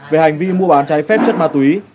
về hành vi mua bán trái phép chất ma túy